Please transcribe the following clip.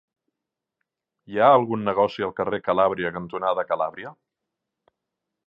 Hi ha algun negoci al carrer Calàbria cantonada Calàbria?